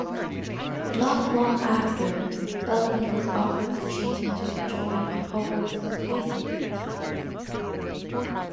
Not long after, Bellamy was offered the chance to join Howard's band.